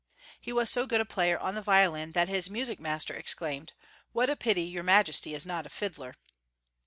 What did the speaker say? He was so good a player on the violin tliat hia music master exclaimed — "Wliat a pity your majesty is not a fiddler!"